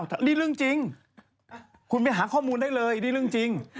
อันนี้เรื่องจริง